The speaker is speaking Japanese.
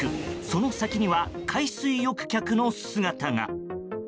その先には、海水浴客の姿が。